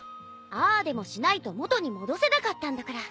ああでもしないと元に戻せなかったんだから。